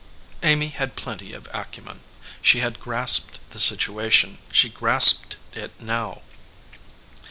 Amy had plenty of acumen. She had grasped the situation. She grasped it now.